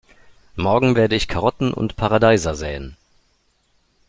Morgen werde ich Karotten und Paradeiser säen.